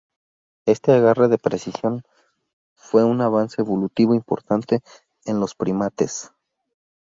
Este agarre de precisión fue un avance evolutivo importante en los primates.